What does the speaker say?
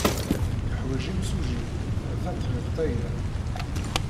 Neḥwaj imsujji. D tatribt aya.